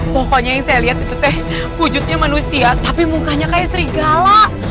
pokoknya yang saya lihat itu teh wujudnya manusia tapi mukanya kayak serigala